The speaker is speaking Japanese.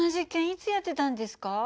いつやってたんですか？